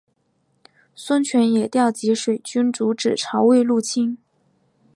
孙权也调集水军阻止曹魏入侵。